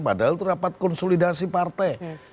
padahal terdapat konsolidasi partai